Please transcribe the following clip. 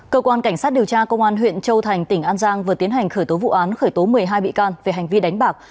cơ quan cảnh sát điều tra công an huyện châu thành tỉnh an giang vừa tiến hành khởi tố vụ án khởi tố một mươi hai bị can về hành vi đánh bạc